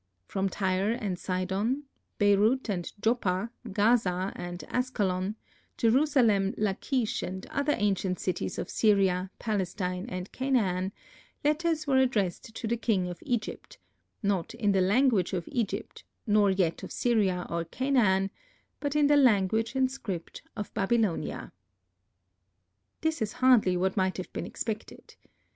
From Tyre and Sidon, Beyrut and Joppa, Gaza and Askalon, Jerusalem, Lachish and other ancient cities of Syria, Palestine and Canaan, letters were addressed to the king of Egypt; not in the language of Egypt, nor yet of Syria or Canaan, but in the language and script of Babylonia. This is hardly what might have been expected.